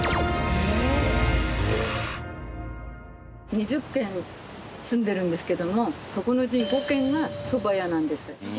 ２０軒住んでるんですけどもそこのうち５軒がそば屋なんです。